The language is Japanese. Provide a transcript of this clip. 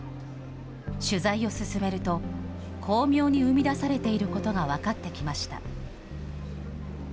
取材を進めると、巧妙に生み出されていることが分かってきました。